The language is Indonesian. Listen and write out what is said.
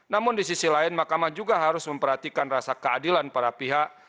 namun di sisi lain mahkamah juga harus memperhatikan rasa keadilan para pihak